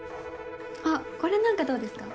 あっこれなんかどうですか？